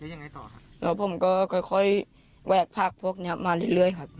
แล้วยังไงต่อครับแล้วผมก็ค่อยแวกพากค์พวกเนี่ยมาเรื่อยครับ